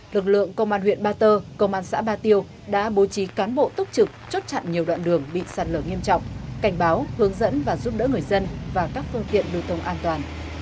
lực lượng công an huyện ba tơ công an xã ba tiêu đã bố trí cán bộ túc trực chốt chặn nhiều đoạn đường bị sạt lở nghiêm trọng cảnh báo hướng dẫn và giúp đỡ người dân và các phương tiện đưa thông an toàn